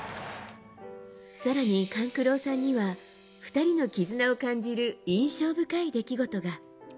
更に、勘九郎さんには２人の絆を感じる印象深い出来事が。